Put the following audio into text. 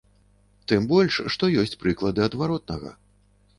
Тым больш што ёсць прыклады адваротнага.